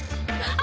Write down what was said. あ。